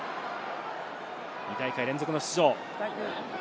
２大会連続の出場。